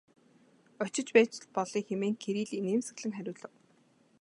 Очиж байж л болъё хэмээн Кирилл инээмсэглэн хариулав.